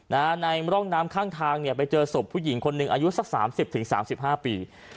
ในร่องน้ำข้างทางไปเจอศพผู้หญิงคนหนึ่งอายุสัก๓๐๓๕ปี